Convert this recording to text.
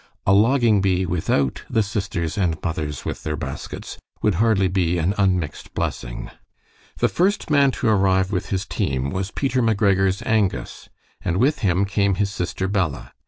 A logging bee without the sisters and mothers with their baskets would hardly be an unmixed blessing. The first man to arrive with his team was Peter McGregor's Angus, and with him came his sister Bella.